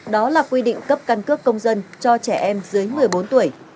đó là quy định cấp căn cước công dân cho trẻ em dưới một mươi bốn tuổi